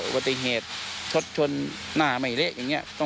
วัตเทศชดชนหน้าไม่เละอย่างนี้